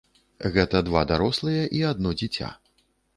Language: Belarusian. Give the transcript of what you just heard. Гэта два дарослыя і адно дзіця.